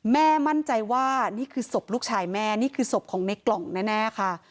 แม่มั่นใจว่านี่คือศพลูกชายแม่นี่คือศพของในกล่องแน่ค่ะ